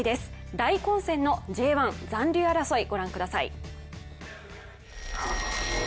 大混戦のＪ１残留争い御覧ください。